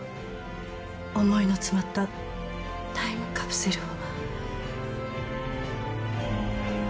思いの詰まったタイムカプセルを。